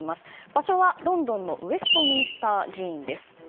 場所はロンドンのウェストミンスター寺院です。